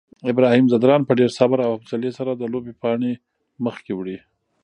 ابراهیم ځدراڼ په ډېر صبر او حوصلې سره د لوبې پاڼۍ مخکې وړي.